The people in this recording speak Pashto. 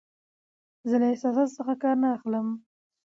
زه له احساساتو څخه کار نه اخلم.